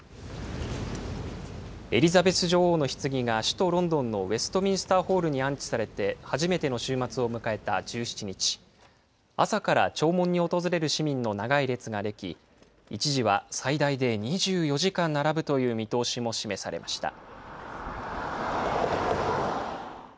エリザベス女王のひつぎが首都ロンドンのウェストミンスターホールに安置されて初めての週末を迎えた１７日、朝から弔問に訪れる市民の長い列が出来、一時は最大で２４時間並ぶという見通しも示されました。